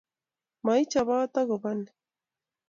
maichobot agu bo nii